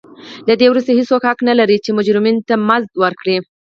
له دې وروسته هېڅوک حق نه لري چې مجرمینو ته مزد ورکړي.